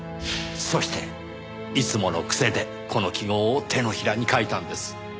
そしていつもの癖でこの記号を手のひらに書いたんです。